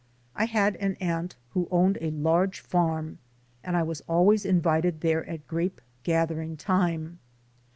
I had an aunt who owned a large farm, and I was always invited there at grape gathering time.